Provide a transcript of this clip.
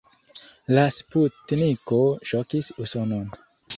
La sputniko ŝokis Usonon.